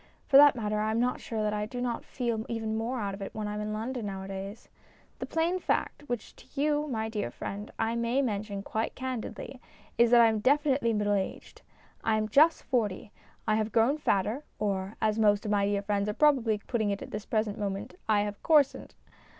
For that matter I am not sure that I do not feel even more out of it when I am in London nowadays. The plain fact, which to you, my dear friend, I may mention quite candidly, is that I am definitely middle aged. I am just forty ; I have grown fatter, or, as most of my dear friends are probably putting it at this present moment, I have " coarsened."